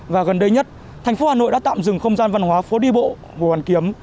và gần đây nhất thành phố hà nội đã tạm dừng không gian văn hóa phố đi bộ hồ hoàn kiếm